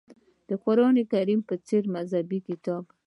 د قران په څېر مذهبي کتاب.